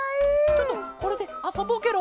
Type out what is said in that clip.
ちょっとこれであそぼうケロ。